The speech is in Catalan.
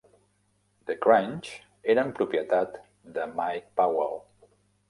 The Crunch eren propietat de Mike Powell.